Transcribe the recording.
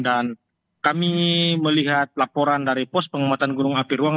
dan kami melihat laporan dari pos pengumatan gunung api ruang